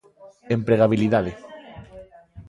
Empregabilidade.